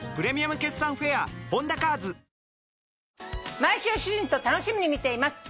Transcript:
「毎週主人と楽しみに見ています。